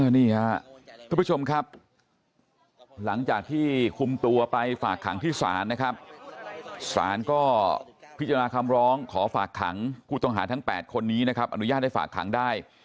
นี่ครับทุกผู้ชมครับหลังจากที่คุมตัวไปฝากขังที่ศาลนะครับศาลก็พิจารณาคำร้องขอฝากขังผู้ต้องหาทั้ง๘คนนี้นะครับอนุญาตให้ฝากขังได้